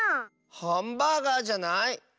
ハンバーガーじゃない？